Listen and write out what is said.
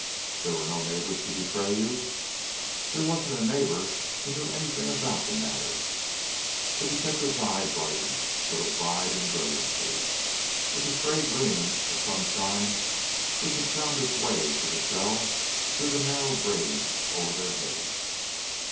"There were no neighbors to betray you?" "There wasn't a neighbor who knew any thing about the matter." The detective's eye brightened till it vied in brilliancy with the stray gleam of sunshine which had found its way to the cell through the narrow grating over their heads.